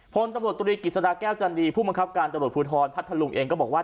ผลตำสดุตรีกิจศาสตร์แก้วจันทร์ดีผู้มังคับการตรวจพูดฮรพัทธลุงเองก็บอกว่า